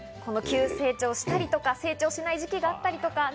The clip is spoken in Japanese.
急成長したりとか、成長しない時期があったり。